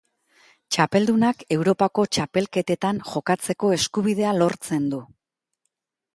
Txapeldunak Europako txapelketetan jokatzeko eskubidea lortzen du.